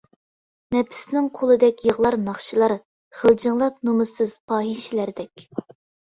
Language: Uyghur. نەپسىنىڭ قۇلىدەك يىغلار ناخشىلار، غىلجىڭلاپ نومۇسسىز پاھىشىلەردەك.